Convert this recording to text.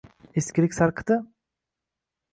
— Eskilik sarqiti?